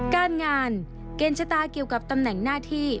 การงานเกณฑ์ชะตาเกี่ยวกับตำแหน่งหน้าที่